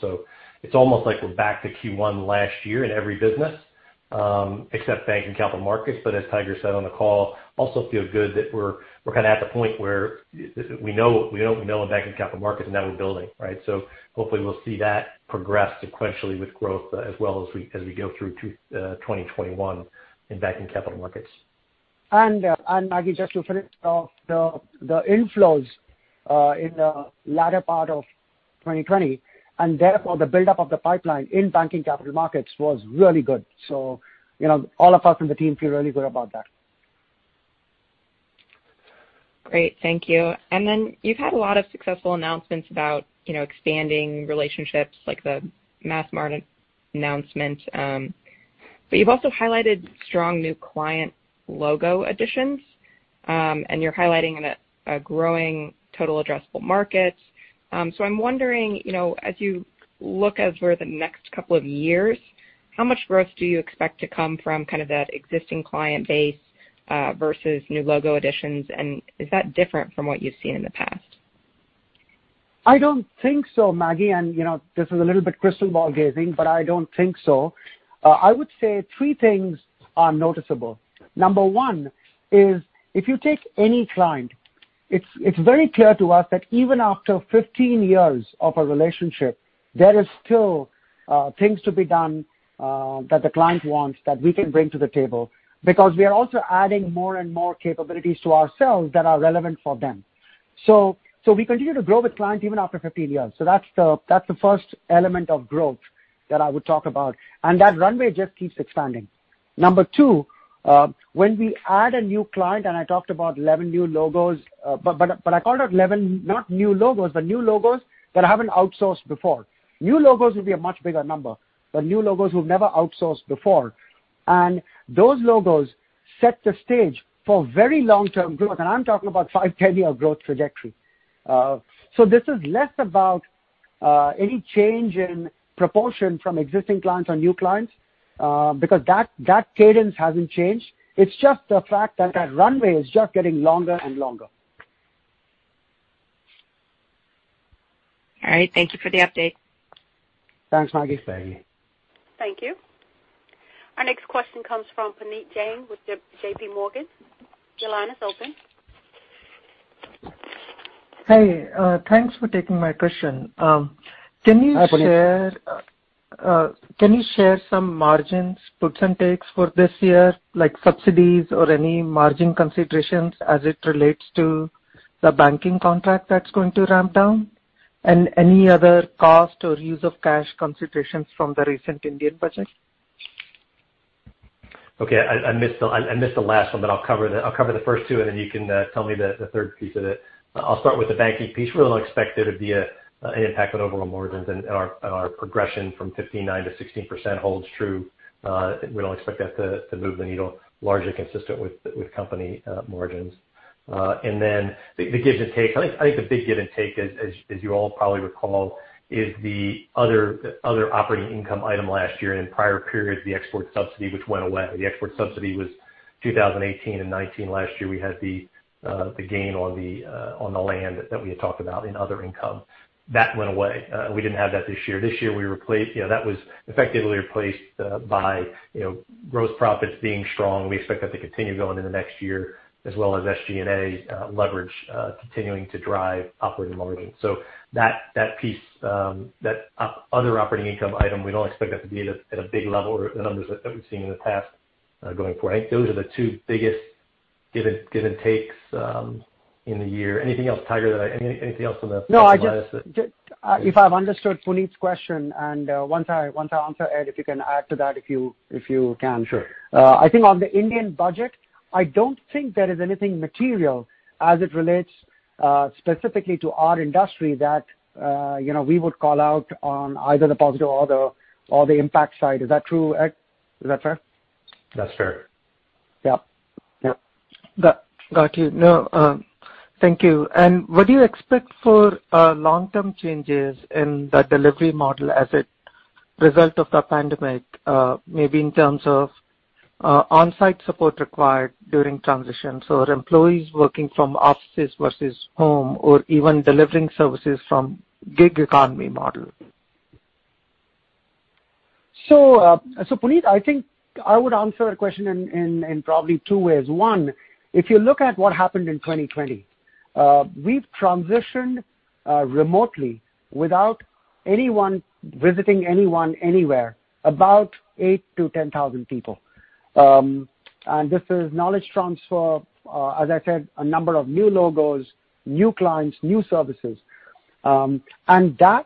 It's almost like we're back to Q1 last year in every business, except bank and capital markets. As Tiger said on the call, also feel good that we're at the point where we know what we know in bank and capital markets, and now we're building, right? Hopefully we'll see that progress sequentially with growth as well as we go through 2021 in bank and capital markets. Maggie, just to finish off, the inflows in the latter part of 2020, and therefore the buildup of the pipeline in banking capital markets was really good. All of us on the team feel really good about that. Great, thank you. You've had a lot of successful announcements about expanding relationships like the Massmart announcement. You've also highlighted strong new client logo additions, and you're highlighting a growing total addressable market. I'm wondering, as you look over the next couple of years, how much growth do you expect to come from that existing client base versus new logo additions, and is that different from what you've seen in the past? I don't think so, Maggie. This is a little bit crystal ball gazing, but I don't think so. I would say three things are noticeable. Number one is if you take any client, it's very clear to us that even after 15 years of a relationship, there is still things to be done, that the client wants, that we can bring to the table. We are also adding more and more capabilities to ourselves that are relevant for them. We continue to grow with clients even after 15 years. That's the first element of growth that I would talk about. That runway just keeps expanding. Number two, when we add a new client, I talked about 11 new logos. I called out 11, not new logos, but new logos that I haven't outsourced before. New logos will be a much bigger number, but new logos who've never outsourced before. Those logos set the stage for very long-term growth. I'm talking about five, 10-year growth trajectory. This is less about any change in proportion from existing clients or new clients, because that cadence hasn't changed. It's just the fact that that runway is just getting longer and longer. All right. Thank you for the update. Thanks, Maggie. Thank you. Our next question comes from Puneet Jain with JPMorgan. Your line is open. Hey, thanks for taking my question. Hi, Puneet. Can you share some margins, puts and takes for this year, like subsidies or any margin considerations as it relates to the banking contract that's going to ramp down? And any other cost or use of cash considerations from the recent Indian budget? Okay. I missed the last one, but I'll cover the first two, and then you can tell me the third piece of it. I'll start with the banking piece. We don't expect there to be an impact on overall margins and our progression from 15.9%-16% holds true. We don't expect that to move the needle largely consistent with company margins. The give and take, I think the big give and take as you all probably recall, is the other operating income item last year and in prior periods, the export subsidy, which went away. The export subsidy was 2018 and 2019. Last year, we had the gain on the land that we had talked about in other income. That went away. We didn't have that this year. This year, that was effectively replaced by gross profits being strong. We expect that to continue going into next year, as well as SG&A leverage continuing to drive operating margins. That piece, that other operating income item, we don't expect that to be at a big level or the numbers that we've seen in the past, going forward. I think those are the two biggest give and takes in the year. Anything else, Tiger? No. If I've understood Puneet's question, and once I answer, Ed, if you can add to that, if you can. Sure. I think on the Indian budget, I don't think there is anything material as it relates specifically to our industry that we would call out on either the positive or the impact side. Is that true, Ed? Is that fair? That's fair. Yep. Got you. No. Thank you. What do you expect for long-term changes in the delivery model as a result of the pandemic? Maybe in terms of on-site support required during transitions or employees working from offices versus home or even delivering services from gig economy model. Puneet, I think I would answer that question in probably two ways. One, if you look at what happened in 2020, we've transitioned remotely without anyone visiting anyone anywhere, about 8,000-10,000 people. This is knowledge transfer, as I said, a number of new logos, new clients, new services. That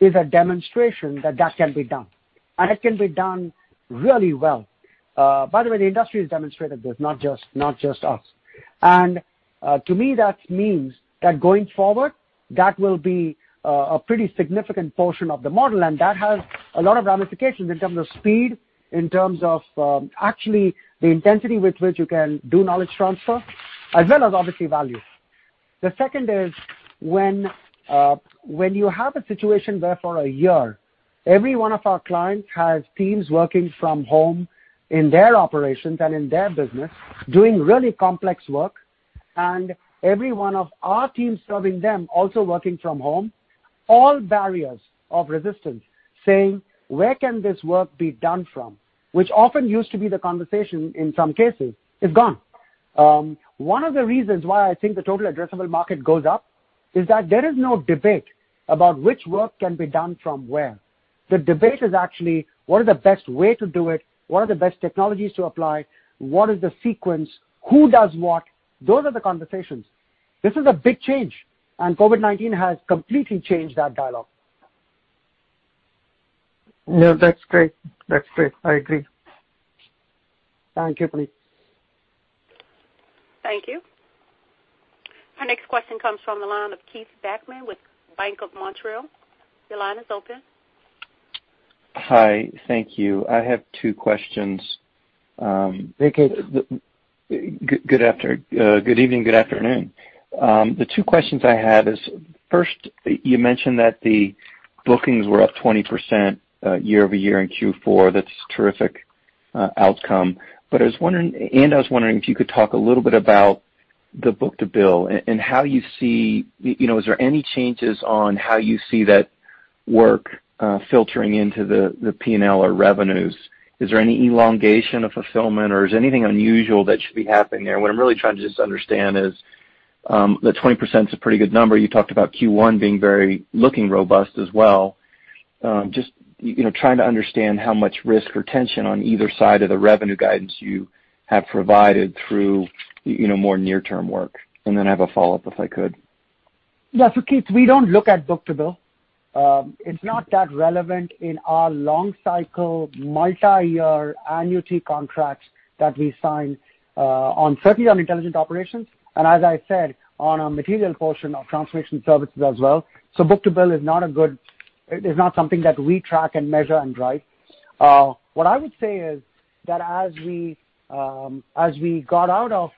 is a demonstration that that can be done, and it can be done really well. By the way, the industry has demonstrated this, not just us. To me, that means that going forward, that will be a pretty significant portion of the model, and that has a lot of ramifications in terms of speed, in terms of actually the intensity with which you can do knowledge transfer, as well as obviously value. The second is when you have a situation where for a year, every one of our clients has teams working from home in their operations and in their business doing really complex work, and every one of our teams serving them also working from home, all barriers of resistance saying, "Where can this work be done from?" Which often used to be the conversation in some cases, is gone. One of the reasons why I think the total addressable market goes up is that there is no debate about which work can be done from where. The debate is actually: what is the best way to do it? What are the best technologies to apply? What is the sequence? Who does what? Those are the conversations. This is a big change. COVID-19 has completely changed that dialogue. Yeah, that's great. That's great. I agree. Thank you, Please. Thank you. Our next question comes from the line of Keith Bachman with BMO. Your line is open. Hi. Thank you. I have two questions. Hey, Keith. Good evening, good afternoon. The two questions I had is, first, you mentioned that the bookings were up 20% year-over-year in Q4. That's a terrific outcome. I was wondering if you could talk a little bit about the book-to-bill and is there any changes on how you see that work filtering into the P&L or revenues? Is there any elongation of fulfillment or is there anything unusual that should be happening there? What I'm really trying to just understand is, the 20% is a pretty good number. You talked about Q1 looking robust as well. Just trying to understand how much risk or tension on either side of the revenue guidance you have provided through more near-term work. I have a follow-up, if I could. Yeah. Keith, we don't look at book-to-bill. It's not that relevant in our long cycle, multi-year annuity contracts that we sign certainly on intelligent operations and, as I said, on a material portion of transformation services as well. Book-to-bill is not something that we track and measure and drive. What I would say is that as we got out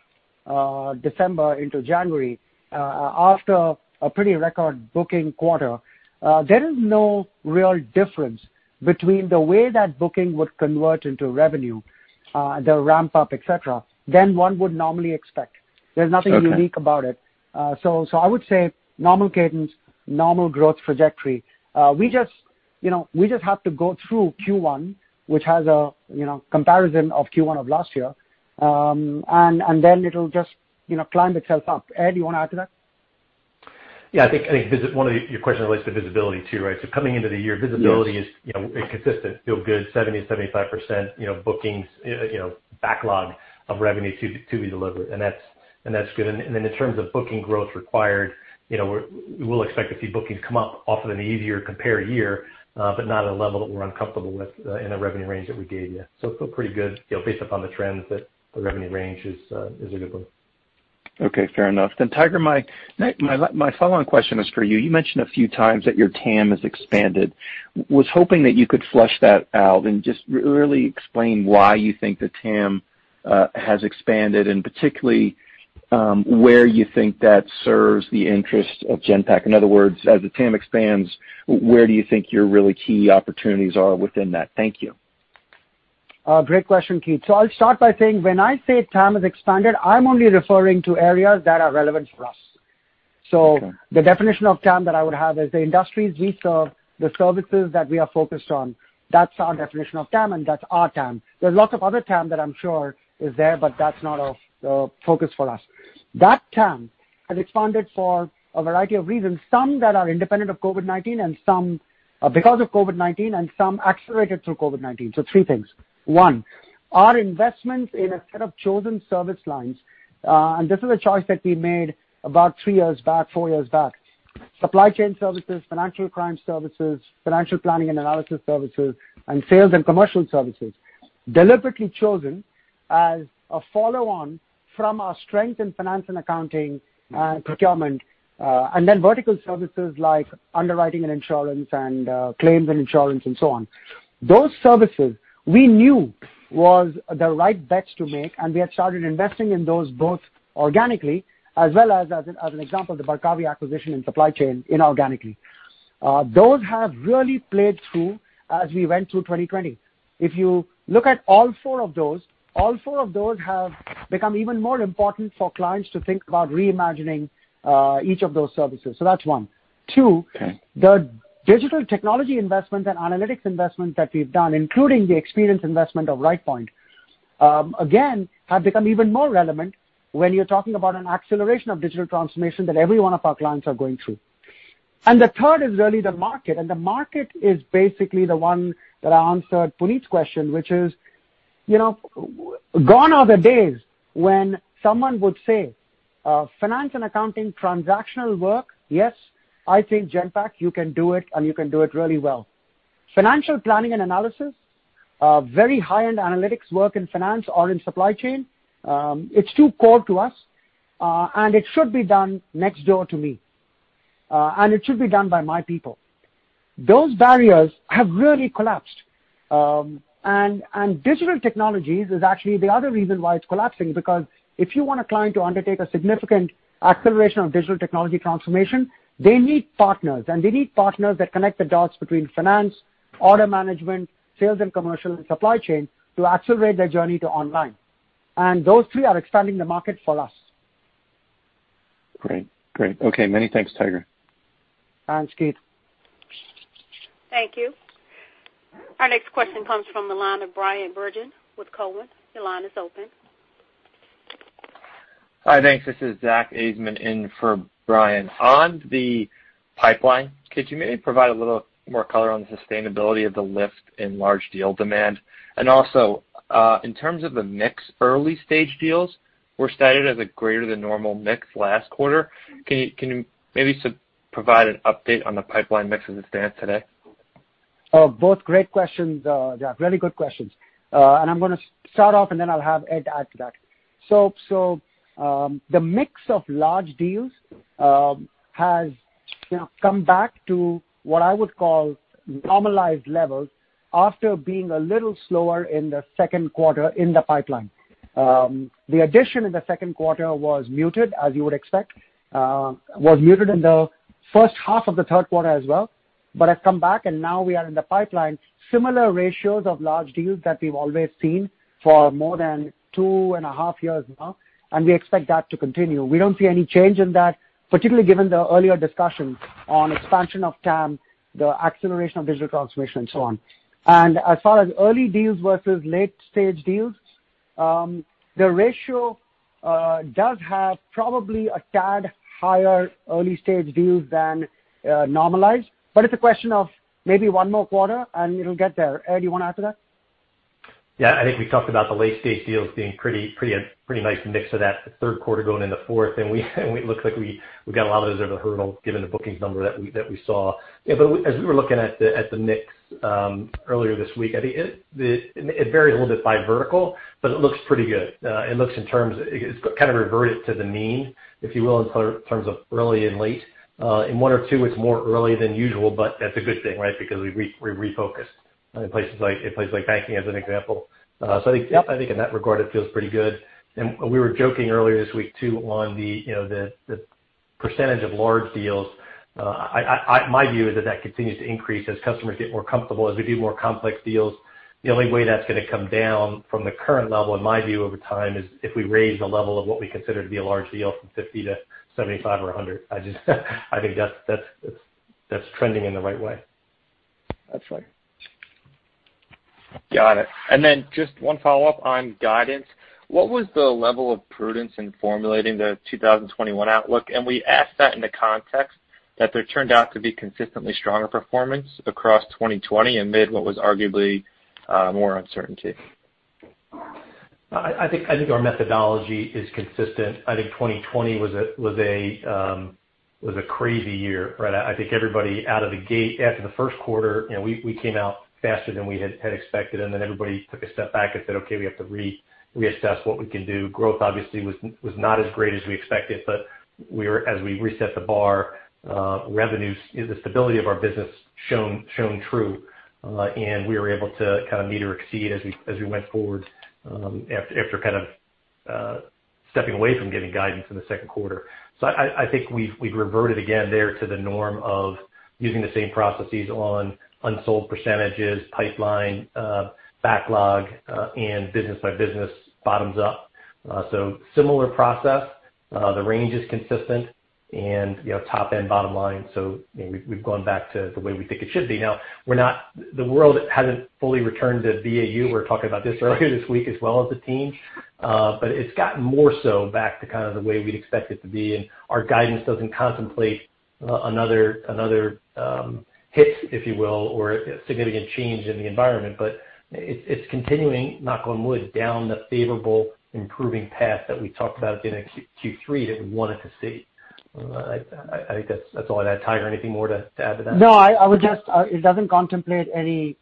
of December into January, after a pretty record booking quarter, there is no real difference between the way that booking would convert into revenue, the ramp up, et cetera, than one would normally expect. Okay. There's nothing unique about it. I would say normal cadence, normal growth trajectory. We just have to go through Q1, which has a comparison of Q1 of last year, and then it'll just climb itself up. Ed, you want to add to that? Yeah. I think one of your questions relates to visibility, too, right? Coming into the year- Yes. visibility is consistent. Feel good, 70%-75% bookings backlog of revenue to be delivered. That's good. In terms of booking growth required, we will expect to see bookings come up off of an easier compare year, not at a level that we're uncomfortable with in the revenue range that we gave you. Feel pretty good based upon the trends that the revenue range is a good one. Okay, fair enough. Tiger, my follow-on question is for you. You mentioned a few times that your TAM has expanded. Was hoping that you could flesh that out and just really explain why you think the TAM has expanded and particularly, where you think that serves the interest of Genpact. In other words, as the TAM expands, where do you think your really key opportunities are within that? Thank you. Great question, Keith. I'll start by saying, when I say TAM has expanded, I'm only referring to areas that are relevant for us. Okay. The definition of TAM that I would have is the industries we serve, the services that we are focused on. That is our definition of TAM, and that is our TAM. There are lots of other TAM that I am sure is there, but that is not of focus for us. That TAM has expanded for a variety of reasons, some that are independent of COVID-19, and some because of COVID-19, and some accelerated through COVID-19. Three things. One, our investment in a set of chosen service lines, and this is a choice that we made about three years back, four years back. Supply chain services, financial crime services, financial planning and analysis services, and sales and commercial services. Deliberately chosen as a follow-on from our strength in finance and accounting and procurement, and then vertical services like underwriting and insurance and claims and insurance and so on. Those services we knew was the right bets to make, and we had started investing in those both organically as well as an example, the Barkawi acquisition and supply chain inorganically. Those have really played through as we went through 2020. If you look at all four of those, all four of those have become even more important for clients to think about reimagining each of those services. That's one. Okay. the digital technology investment and analytics investment that we've done, including the experience investment of Rightpoint, again, have become even more relevant when you're talking about an acceleration of digital transformation that every one of our clients are going through. The third is really the market, and the market is basically the one that I answered Puneet's question, which is, gone are the days when someone would say, "Finance and accounting transactional work, yes, I think Genpact, you can do it, and you can do it really well. Financial planning and analysis, very high-end analytics work in finance or in supply chain, it's too core to us, and it should be done next door to me, and it should be done by my people." Those barriers have really collapsed. Digital technologies is actually the other reason why it's collapsing, because if you want a client to undertake a significant acceleration of digital technology transformation, they need partners, and they need partners that connect the dots between finance, order management, sales and commercial, and supply chain to accelerate their journey to online. Those three are expanding the market for us. Great. Great. Okay, many thanks, Tiger. Thanks, Keith. Thank you. Our next question comes from the line of Bryan Bergin with Cowen. Your line is open. Hi, thanks. This is Zach Ajzenman in for Bryan. On the pipeline, could you maybe provide a little more color on the sustainability of the lift in large deal demand? Also, in terms of the mix early stage deals, were stated as a greater than normal mix last quarter. Can you maybe provide an update on the pipeline mix as it stands today? Both great questions, Zach. Really good questions. I'm going to start off, and then I'll have Ed add to that. The mix of large deals has come back to what I would call normalized levels after being a little slower in the second quarter in the pipeline. The addition in the second quarter was muted, as you would expect. Was muted in the first half of the third quarter as well, but has come back, and now we are in the pipeline, similar ratios of large deals that we've always seen for more than two and a half years now, and we expect that to continue. We don't see any change in that, particularly given the earlier discussion on expansion of TAM, the acceleration of digital transformation and so on. As far as early deals versus late-stage deals, the ratio does have probably a tad higher early-stage deals than normalized. It's a question of maybe one more quarter, and it'll get there. Ed, you want to add to that? Yeah. I think we talked about the late-stage deals being a pretty nice mix of that third quarter going in the fourth, and it looks like we got a lot of those out of the funnel, given the bookings number that we saw. As we were looking at the mix earlier this week, it varied a little bit by vertical, but it looks pretty good. It's kind of reverted to the mean, if you will, in terms of early and late. In one or two, it's more early than usual, that's a good thing, right? We refocused in places like banking as an example. I think, yeah, I think in that regard, it feels pretty good. We were joking earlier this week, too, on the percentage of large deals. My view is that that continues to increase as customers get more comfortable, as we do more complex deals. The only way that's going to come down from the current level, in my view over time, is if we raise the level of what we consider to be a large deal from $50 to $75 or $100. I think that's trending in the right way. That's right. Got it. Just one follow-up on guidance. What was the level of prudence in formulating the 2021 outlook? We ask that in the context that there turned out to be consistently stronger performance across 2020 amid what was arguably more uncertainty. I think our methodology is consistent. I think 2020 was a crazy year, right? I think everybody out of the gate after the first quarter, we came out faster than we had expected. Everybody took a step back and said, "Okay, we have to reassess what we can do." Growth obviously was not as great as we expected. As we reset the bar, revenues, the stability of our business shone true, and we were able to kind of meet or exceed as we went forward after stepping away from giving guidance in the second quarter. I think we've reverted again there to the norm of using the same processes on unsold percentages, pipeline, backlog, and business by business bottoms up. Similar process. The range is consistent. Top and bottom line, we've gone back to the way we think it should be. The world hasn't fully returned to BAU. We were talking about this earlier this week as well as a team. It's gotten more so back to kind of the way we'd expect it to be, and our guidance doesn't contemplate another hit, if you will, or a significant change in the environment. It's continuing, knock on wood, down the favorable improving path that we talked about in Q3 that we wanted to see. I think that's all I'd add. Tiger, anything more to add to that? No. It doesn't contemplate any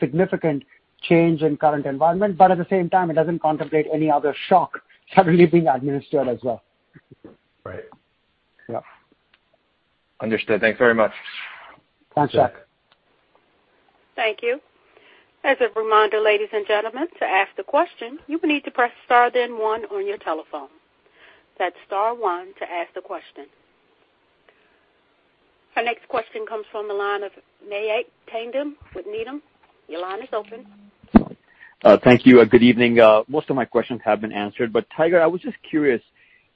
significant change in current environment, but at the same time, it doesn't contemplate any other shock suddenly being administered as well. Right. Yeah. Understood. Thanks very much. Thanks, Zach. Our next question comes from the line of Mayank Tandon with Needham & Company. Your line is open. Thank you and good evening. Most of my questions have been answered. Tiger, I was just curious,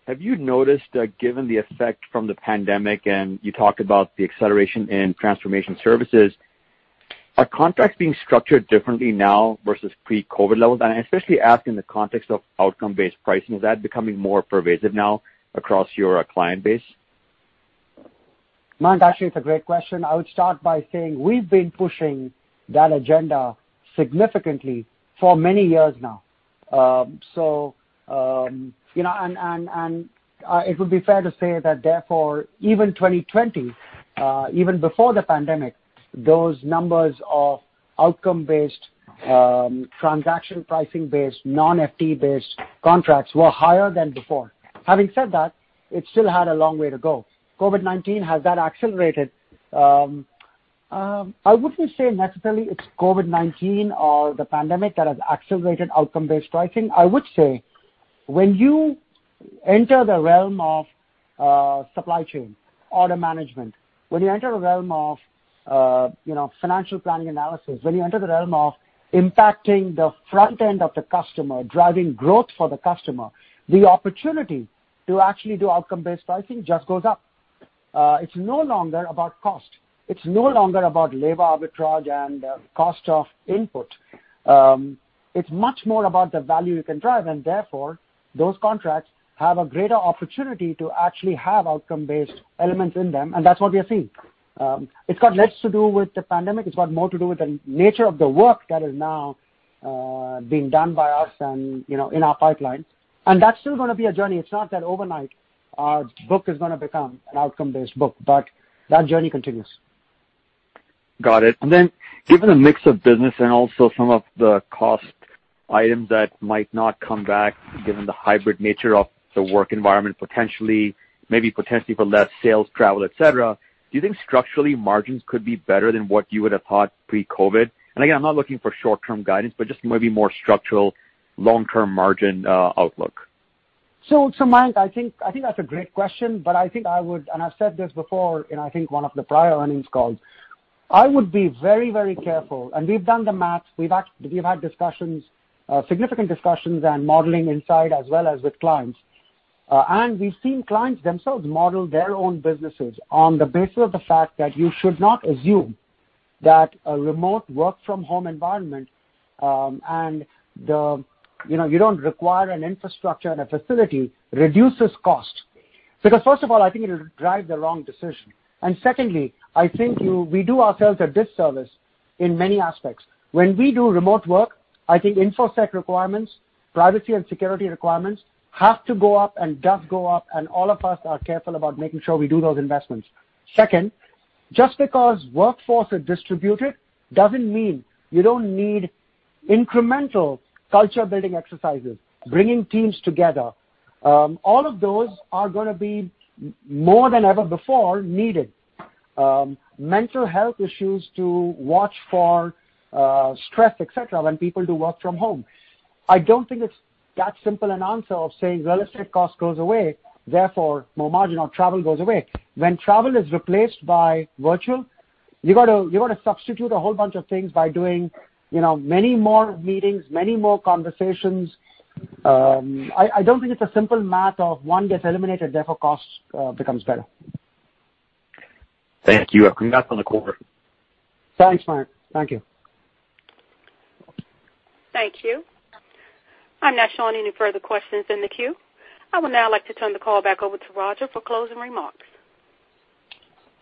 have you noticed, given the effect from the pandemic, and you talked about the acceleration in transformation services, are contracts being structured differently now versus pre-COVID levels? I especially ask in the context of outcome-based pricing. Is that becoming more pervasive now across your client base? Mayank, actually, it's a great question. I would start by saying we've been pushing that agenda significantly for many years now. It would be fair to say that therefore, even 2020, even before the pandemic, those numbers of outcome-based, transaction pricing based, non-FTE-based contracts were higher than before. Having said that, it still had a long way to go. COVID-19, has that accelerated? I wouldn't say necessarily it's COVID-19 or the pandemic that has accelerated outcome-based pricing. I would say when you enter the realm of supply chain, order management, when you enter the realm of financial planning analysis, when you enter the realm of impacting the front end of the customer, driving growth for the customer, the opportunity to actually do outcome-based pricing just goes up. It's no longer about cost. It's no longer about labor arbitrage and cost of input. It's much more about the value you can drive, and therefore, those contracts have a greater opportunity to actually have outcome-based elements in them, and that's what we are seeing. It's got less to do with the pandemic. It's got more to do with the nature of the work that is now being done by us and in our pipelines. That's still going to be a journey. It's not that overnight our book is going to become an outcome-based book, but that journey continues. Given the mix of business and also some of the cost items that might not come back, given the hybrid nature of the work environment, maybe potentially for less sales, travel, et cetera, do you think structurally margins could be better than what you would have thought pre-COVID? Again, I'm not looking for short-term guidance, but just maybe more structural long-term margin outlook. Mayank, I think that's a great question. I think I would, and I've said this before in, I think, one of the prior earnings calls. I would be very careful, and we've done the math. We've had significant discussions and modeling inside as well as with clients. We've seen clients themselves model their own businesses on the basis of the fact that you should not assume that a remote work from home environment, and you don't require an infrastructure and a facility, reduces cost. Because first of all, I think it'll drive the wrong decision. Secondly, I think we do ourselves a disservice in many aspects. When we do remote work, I think infosec requirements, privacy and security requirements have to go up and does go up, and all of us are careful about making sure we do those investments. Second, just because workforce are distributed doesn't mean you don't need incremental culture-building exercises, bringing teams together. All of those are going to be more than ever before needed. Mental health issues to watch for, stress, et cetera, when people do work from home. I don't think it's that simple an answer of saying real estate cost goes away, therefore more margin or travel goes away. When travel is replaced by virtual, you got to substitute a whole bunch of things by doing many more meetings, many more conversations. I don't think it's a simple math of one gets eliminated, therefore cost becomes better. Thank you. Congrats on the quarter. Thanks, Mayank. Thank you. Thank you. I'm now showing any further questions in the queue. I would now like to turn the call back over to Roger for closing remarks.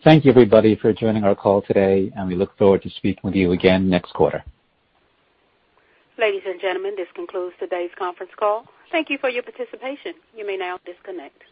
Thank you everybody for joining our call today, and we look forward to speaking with you again next quarter. Ladies and gentlemen, this concludes today's conference call. Thank you for your participation. You may now disconnect.